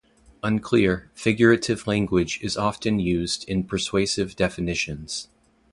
Unclear, figurative language is often used in persuasive definitions.